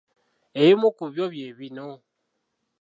Ebimu ku byo bye bino.